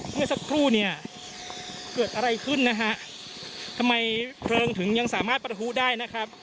เมื่อสักครู่เนี่ยเกิดอะไรขึ้นนะฮะทำไมเพลิงถึงยังสามารถประทุได้นะครับ